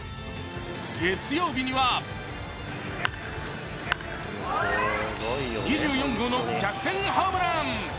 月曜日には２４号の逆転ホームラン。